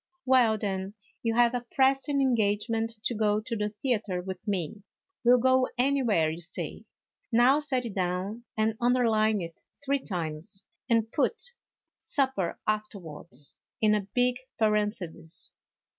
" Well, then, you have a pressing engagement to go to the theatre with me ; we '11 go anywhere you say. Now set it down and underline it three times, and put ' supper afterwards ' in a big paren thesis."